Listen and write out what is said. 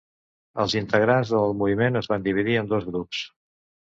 Els integrants del moviment es van dividir en dos grups.